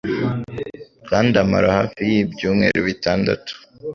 kandi amara hafi ibyumweru bitandatu